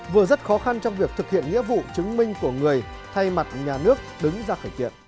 vừa rất khó khăn trong việc thực hiện nghĩa vụ chứng minh của người thay mặt nhà nước đứng ra khởi kiện